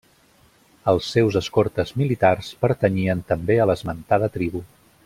Els seus escortes militars pertanyien també a l'esmentada tribu.